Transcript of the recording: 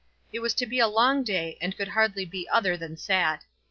It was to be a long day, and could hardly be other than sad.